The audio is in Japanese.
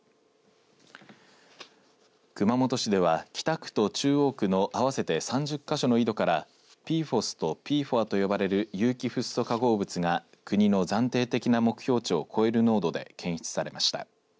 熊本市では北区と中央区の合わせて３０か所の井戸からＰＦＯＳとＰＦＯＡと呼ばれる有機フッ素化合物が国の暫定的な目標値を超える濃度で検出されました。